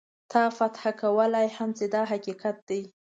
تا فتح کولای هم شي دا حقیقت دی.